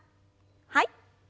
はい。